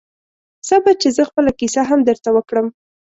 صبر چې زه خپله کیسه هم درته وکړم